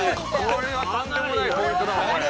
これはとんでもないポイントだわこれ。